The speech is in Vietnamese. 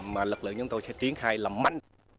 mà lực lượng chúng tôi sẽ triển khai làm mạnh